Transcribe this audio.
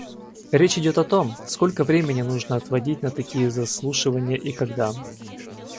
Речь идет о том, сколько времени нужно отводить на такие заслушивания и когда.